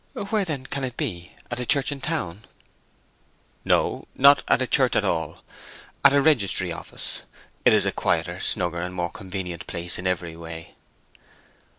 "Where, then, can it be? At a church in town?" "No. Not at a church at all. At a registry office. It is a quieter, snugger, and more convenient place in every way."